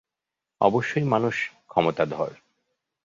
অবশ্যই মানুষ ক্ষমতাধর।